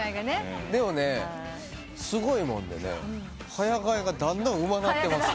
でもねすごいもんでね早替えがだんだんうまなってます。